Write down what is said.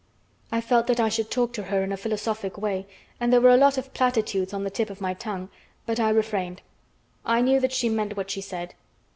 I felt that I should talk to her in a philosophic way and there were a lot of platitudes on the tip of my tongue, but I refrained. I knew that she meant what she said.